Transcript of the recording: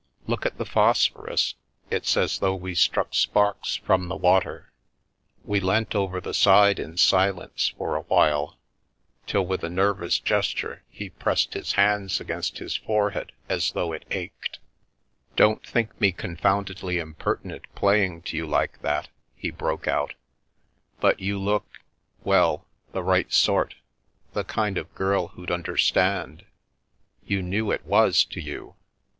Look at the phosphorus, it's as though we struck sparks from the water." We leant over the side in silence for a while, till, with a nervous gesture, he pressed his hands against his fore head as though it ached. The Milky Way " Don't think me confoundedly impertinent playing to you like that," he broke out " But you look — well, the right sort, the kind of girl who'd understand. You knew it was to you?